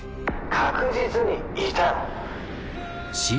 確実にいたの。